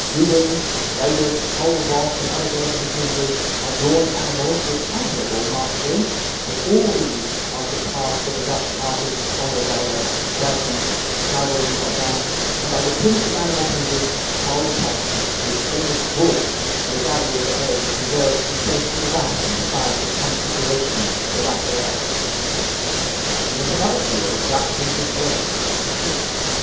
Rubens, Luyders, Paul de Vos, and other Belgian painters, had drawn animals with admirable mastery; but all these are surpassed by the Dutch artists Van der Velde, Berghem, Karel du Jardin, and by the prince of animal painters, Paul Potter, whose famous "Bull," in the gallery of the Hague, deserves to be placed in the Vatican beside the "Transfiguration" by Raphael. In yet another field are the Dutch painters great, the sea.